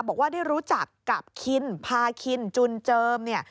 บอกว่าได้รู้จักกับคินพาคินจุนเจิมเนี่ย